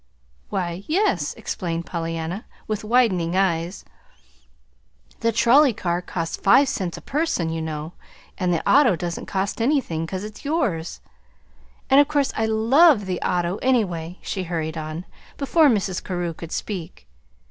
"Why, yes," explained Pollyanna, with widening eyes; "the trolley car costs five cents a person, you know, and the auto doesn't cost anything, 'cause it's yours. And of course I LOVE the auto, anyway," she hurried on, before Mrs. Carew could speak.